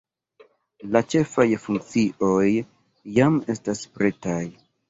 La ĉefaj funkcioj jam estas pretaj.